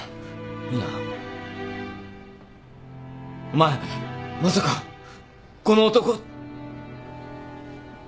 ミナお前まさかこの男。